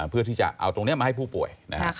เพื่อที่จะเอาตรงนี้มาให้ผู้ป่วย